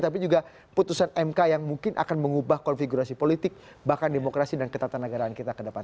tapi juga putusan mk yang mungkin akan mengubah konfigurasi politik bahkan demokrasi dan ketatanegaraan kita ke depan